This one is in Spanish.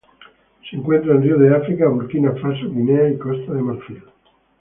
Se encuentran en ríos de África: Burkina Faso, Guinea y Costa de Marfil.